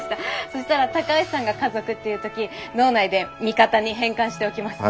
そしたら高橋さんが「家族」って言う時脳内で「味方」に変換しておきます。